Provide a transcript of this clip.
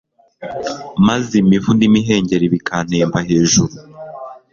maze imivu n’imihengeri bikantemba hejuru